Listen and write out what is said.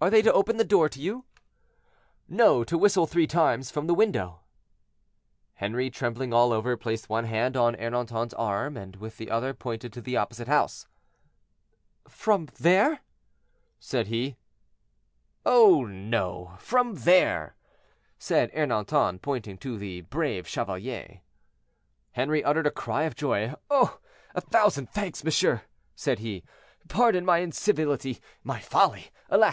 "Are they to open the door to you?" "No; to whistle three times from the window." Henri, trembling all over, placed one hand on Ernanton's arm and with the other pointed to the opposite house. "From there?" said he. "Oh! no; from there," said Ernanton, pointing to the "Brave Chevalier." Henri uttered a cry of joy. "Oh! a thousand thanks, monsieur," said he; "pardon my incivility—my folly. Alas!